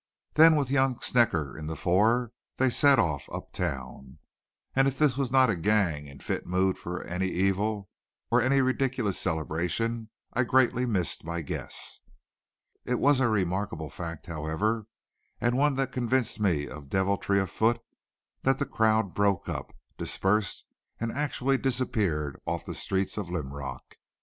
Then with young Snecker in the fore they set off up town; and if this was not a gang in fit mood for any evil or any ridiculous celebration I greatly missed my guess. It was a remarkable fact, however, and one that convinced me of deviltry afoot, that the crowd broke up, dispersed, and actually disappeared off the streets of Linrock.